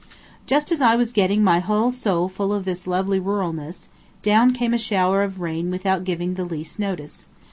Just as I was getting my whole soul full of this lovely ruralness, down came a shower of rain without giving the least notice.